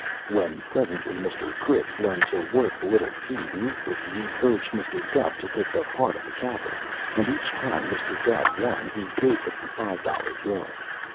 When, presently, Mr. Critz learned to work the little pea neatly, he urged Mr. Gubb to take the part of capper, and each time Mr. Gubb won he gave him a five dollar bill.